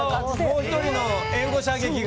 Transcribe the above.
もう１人の援護射撃が。